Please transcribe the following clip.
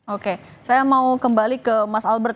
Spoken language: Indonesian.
oke saya mau kembali ke mas albert